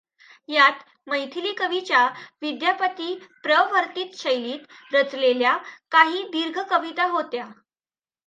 यात मैथिली कवीच्या विद्यापतीप्रवर्तित शैलीत रचलेल्या काही दीर्घ कविता होत्या.